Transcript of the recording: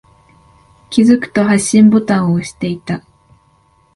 気づくと、発信ボタンを押していた。